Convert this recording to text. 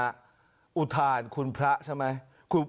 เมื่อกี้คุณวรพรอุทานคุณพระใช่ไหม